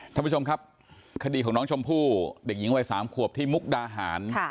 ท่านผู้ชมครับคดีของน้องชมพู่เด็กหญิงวัย๓ขวบที่มุกดาหาร